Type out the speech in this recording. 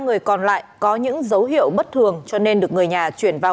người còn lại có những dấu hiệu bất thường cho nên được người nhà chuyển vào